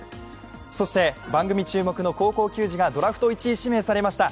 そして、番組注目の高校球児がドラフト１位指名されました。